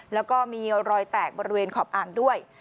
แล้วก็มีรอยแตกบริเวณขอบอ่างด้วย